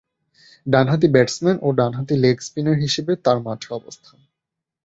ডানহাতি ব্যাটসম্যান ও ডানহাতি লেগ স্পিনার হিসেবে তার মাঠে অবস্থান।